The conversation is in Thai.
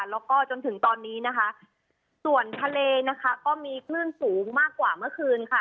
แล้วก็จนถึงตอนนี้นะคะส่วนทะเลนะคะก็มีคลื่นสูงมากกว่าเมื่อคืนค่ะ